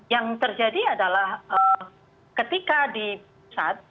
yang terjadi adalah ketika di pusat